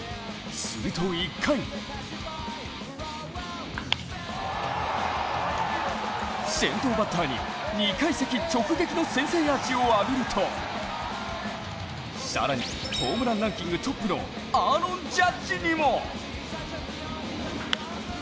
すると、１回、先頭バッターに２階席直撃の先制アーチを浴びると更に、ホームランランキングトップのアーロン・ジャッジにも。